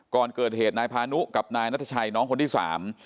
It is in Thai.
ก่อนเกิดเหตุนายพานุกับนายนัทชัยน้องคนที่สาม